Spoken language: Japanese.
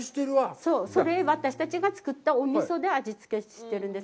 そう、それ、私たちが作ったお味噌で味つけしているんです。